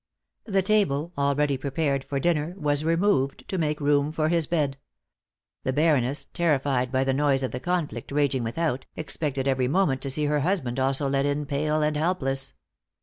The table, already prepared for dinner, was removed to make room for his bed. The Baroness, terrified by the noise of the conflict raging without, expected every moment to see her husband also led in pale and helpless.